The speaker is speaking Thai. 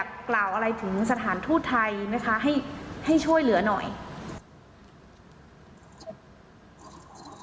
คุยกันเรื่องงานพอมันเจอหน้างานมันไม่ใช่เลยอีก